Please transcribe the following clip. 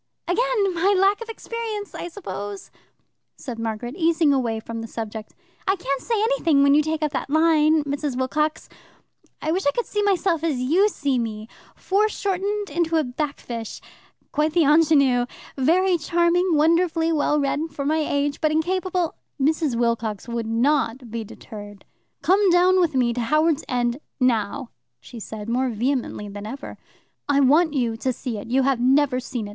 "Again my lack of experience, I suppose!" said Margaret, easing away from the subject. "I can't say anything when you take up that line, Mrs. Wilcox. I wish I could see myself as you see me foreshortened into a backfisch. Quite the ingenue. Very charming wonderfully well read for my age, but incapable " Mrs. Wilcox would not be deterred. "Come down with me to Howards End now," she said, more vehemently than ever. "I want you to see it. You have never seen it.